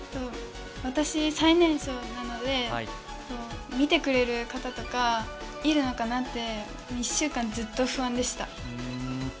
私、最年少なので、見てくれる方とかいるのかなって１週間ずっと不安でした。